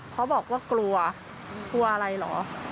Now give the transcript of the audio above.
เขาบอกว่ากลัวกลัวอะไรเหรอ